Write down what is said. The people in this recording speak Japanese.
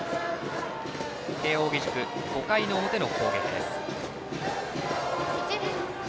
慶応義塾、５回の表の攻撃です。